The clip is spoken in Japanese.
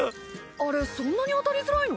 あれそんなに当たりづらいの？